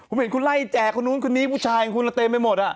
ผมเห็นคุณไล่แจกคนนู้นคนนี้ผู้ชายของคุณละเต็มไปหมดอ่ะ